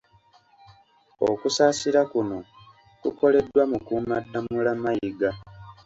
Okusaasira kuno kukoleddwa Mukuumaddamula Mayiga .